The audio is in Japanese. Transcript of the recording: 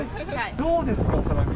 どうですか、花見。